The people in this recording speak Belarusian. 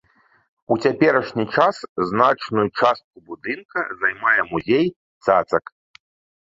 У цяперашні час значную частку будынка займае музей цацак.